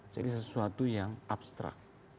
jadi sesuatu yang abstrak